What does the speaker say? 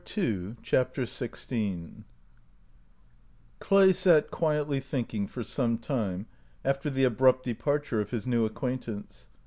i93 CHAPTER XVI CLAY sat quietly thinking for some time after the abrupt departure of his new acquaintance.